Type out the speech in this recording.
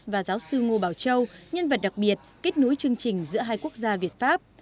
và giáo sư ngô bảo châu nhân vật đặc biệt kết nối chương trình giữa hai quốc gia việt pháp